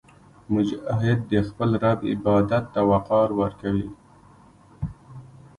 مجاهد د خپل رب عبادت ته وقار ورکوي.